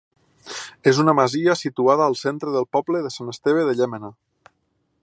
És una masia situada al centre del poble de Sant Esteve de Llémena.